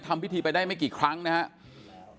ทำพิธีไปได้ไม่กี่ครั้งนะครับ